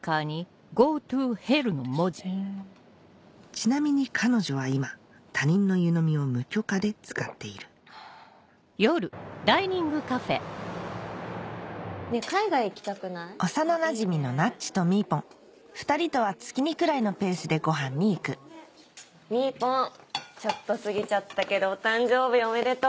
ちなみに彼女は今他人の湯飲みを無許可で使っている幼なじみのなっちとみーぽん２人とは月２くらいのペースでごはんに行くみーぽんちょっと過ぎちゃったけどお誕生日おめでとう！